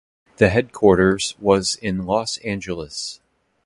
The headquarters was in Los Angeles.